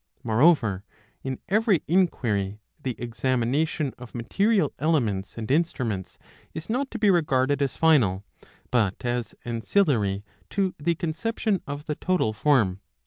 ^ Moreover, in every inquiry, the examination of material elements and instruments is not to be regarded as final, but as ancillary to the conception of the total form.